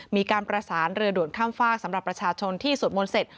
มีการประสานเรือด่วนข้ามฝากสำหรับประชาชนที่สวดมนต์เสร็จ